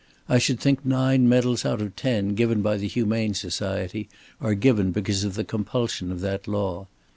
I should think nine medals out of ten given by the Humane Society are given because of the compulsion of that law.